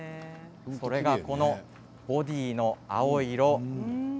それがこのボディーの青い色。